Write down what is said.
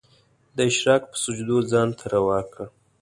د اشراق په سجدو ځان ته روا کړ